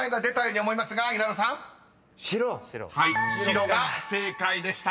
［はい「白」が正解でした］